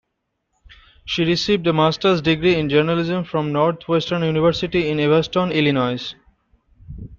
She received a master's degree in journalism from Northwestern University in Evanston, Illinois.